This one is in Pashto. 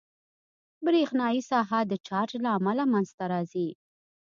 برېښنایي ساحه د چارج له امله منځته راځي.